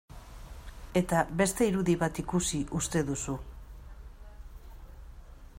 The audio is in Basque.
Eta beste irudi bat ikusi uste duzu...